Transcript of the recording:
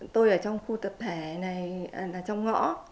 tôi ở trong khu tập thể này là trong ngõ